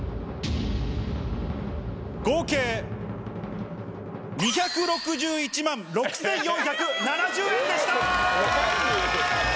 合計２６１万６４７０円でした。